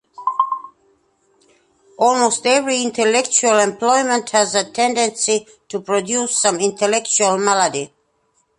Almost every intellectual employment has a tendency to produce some intellectual malady.